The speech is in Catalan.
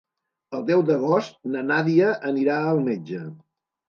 El deu d'agost na Nàdia anirà al metge.